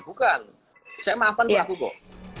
bukan saya maafkan pelaku kok